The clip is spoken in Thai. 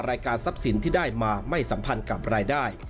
รายการทรัพย์สินที่ได้มาไม่สัมพันธ์กับรายได้